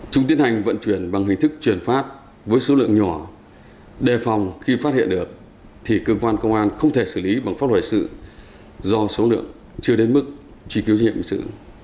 chúng tiến hành vận chuyển bằng hình thức truyền phát với số lượng nhỏ đề phòng khi phát hiện được thì cơ quan công an không thể xử lý bằng pháp loại sự do số lượng chưa đến mức trì cứu nhiệm sự